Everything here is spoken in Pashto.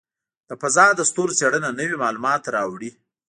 د فضاء د ستورو څېړنه نوې معلومات راوړي.